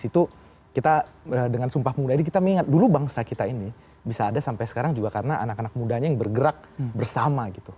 itu kita dengan sumpah pemuda ini kita mengingat dulu bangsa kita ini bisa ada sampai sekarang juga karena anak anak mudanya yang bergerak bersama gitu